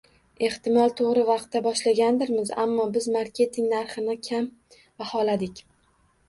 Ehtimol, toʻgʻri vaqtda boshlagandirmiz, ammo biz marketing narxini kam baholadik.